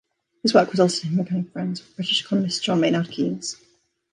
His work resulted in him becoming friends with British economist John Maynard Keynes.